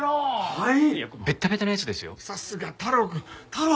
はい。